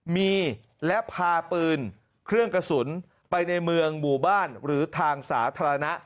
มีและพาปืนเครื่องกระสุนไปในเมืองหมู่บ้านหรือทางสาธารณะ